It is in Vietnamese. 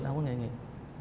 nó không nghề nghiệp